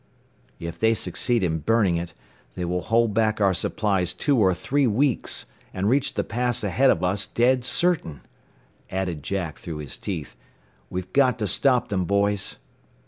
"If they succeed in burning it, they will hold back our supplies two or three weeks, and reach the pass ahead of us, dead certain," added Jack through his teeth. "We've got to stop them, boys!"